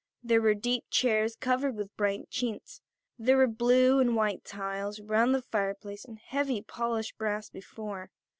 There were deep chairs covered with brighter chintz. There were blue and white tiles around the fireplace and heavy, polished brass before.